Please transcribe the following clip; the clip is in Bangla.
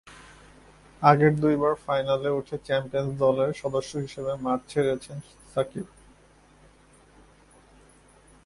আগের দুবারই ফাইনালে উঠে চ্যাম্পিয়ন দলের সদস্য হিসেবে মাঠ ছেড়েছেন সাকিব।